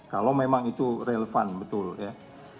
kalau memang itu relevan betul ya